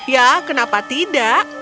ya kenapa tidak